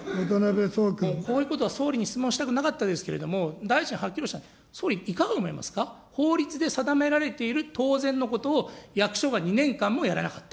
こういうことは総理に質問したくなかったですけれども、大臣、はっきりおっしゃっている、総理、いかが思いますか、法律で定められている当然のことを役所が２年間もやらなかった。